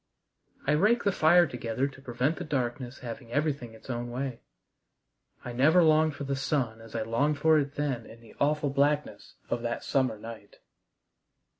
I raked the fire together to prevent the darkness having everything its own way. I never longed for the sun as I longed for it then in the awful blackness of that summer night.